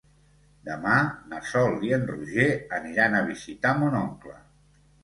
Demà na Sol i en Roger aniran a visitar mon oncle.